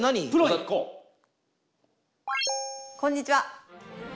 こんにちは。